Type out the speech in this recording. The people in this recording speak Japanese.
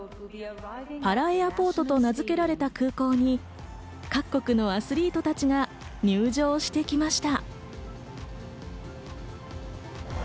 パラ・エアポートと名付けられた空港に各国のアスリートたちが入場してきました。